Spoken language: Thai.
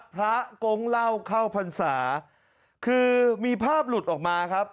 กงเล่าเข้าพรรษาคือมีภาพหลุดออกมาครับ